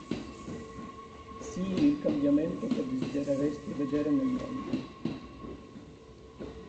Sii il cambiamento che desideresti vedere nel mondo.